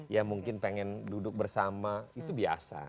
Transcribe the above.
ya mungkin pengen duduk bersama itu biasa